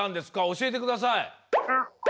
おしえてください。